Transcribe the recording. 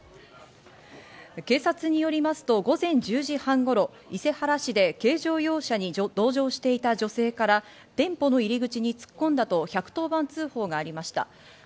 警察によりますと午前１０時半頃、伊勢原市で軽乗用車に同乗していた女性から店舗の入口に突っ込んだと１１０番通報がありました。